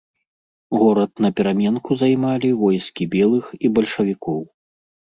Горад напераменку займалі войскі белых і бальшавікоў.